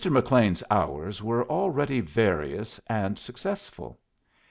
McLean's hours were already various and successful.